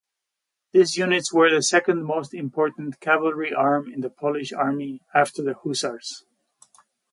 These units were the second-most-important cavalry arm in the Polish army, after the hussars.